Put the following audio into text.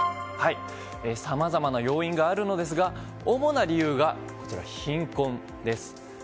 さまざまな要因があるのですが主な理由が貧困です。